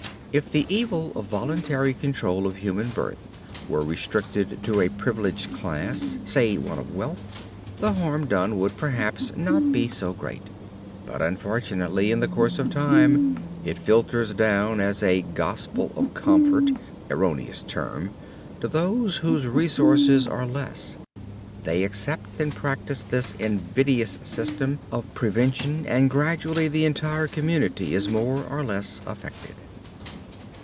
If the evil of voluntary control of human birth were restricted to a privileged class, say one of wealth, the harm done would, perhaps, not be so great. But, unfortunately, in the course of time it filters down as a "gospel of comfort" erroneous term! to those whose resources are less. They accept and practice this invidious system of prevention and gradually the entire community is more or less affected.